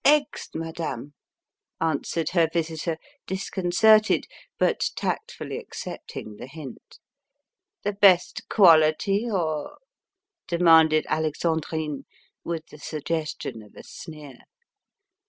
"Eggs, madame," answered her visitor, disconcerted, but tactfully accepting the hint. "The best quality or ?" demanded Alexandrine, with the suggestion of a sneer.